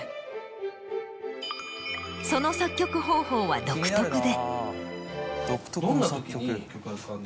その作曲方法は独特で。